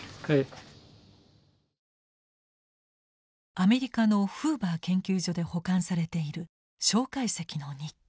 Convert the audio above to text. アメリカのフーバー研究所で保管されている介石の日記。